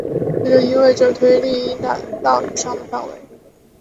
这就意味着推力应达到以上的范围。